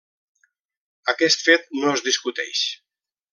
Aquest fet no es discuteix.